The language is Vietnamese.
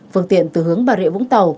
phương tiện từ hướng bà rịa vũng tàu